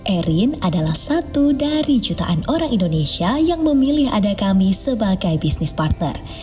erin adalah satu dari jutaan orang indonesia yang memilih adakami sebagai bisnis partner